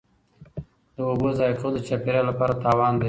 د اوبو ضایع کول د چاپیریال لپاره تاوان دی.